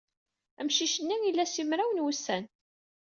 Amcic-nni ila simraw n wussan.